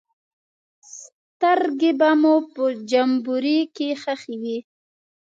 سترګې به مو په جمبوري کې ښخې وې.